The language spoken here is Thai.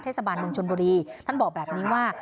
ทัศบาลเบืนชนโบรีท่านบอกแบบนี้ว่า